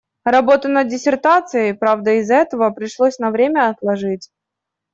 Работу над диссертацией, правда, из‑за этого пришлось на время отложить.